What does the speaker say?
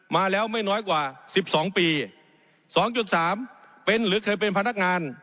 มาแล้วไม่น้อยกว่า๑๒ปี๒๓เป็นหรือเคยเป็นพนักงาน